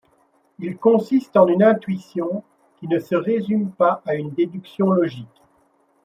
Il consiste en une intuition qui ne se résume pas à une déduction logique.